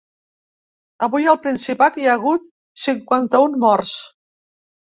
Avui al Principat hi ha hagut cinquanta-un morts.